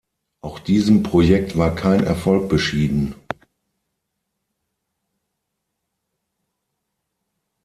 Auch diesem Projekt war kein Erfolg beschieden.